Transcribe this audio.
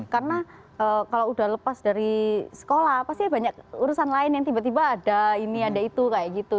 karena kalau udah lepas dari sekolah pasti banyak urusan lain yang tiba tiba ada ini ada itu kayak gitu